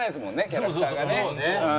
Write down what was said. キャラクターがね。